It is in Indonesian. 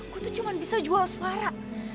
aku tuh cuma bisa jual suara